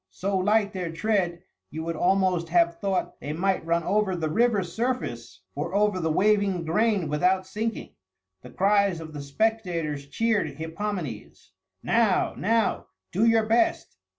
So light their tread, you would almost have thought they might run over the river surface or over the waving grain without sinking. The cries of the spectators cheered Hippomenes, "Now, now, do your best!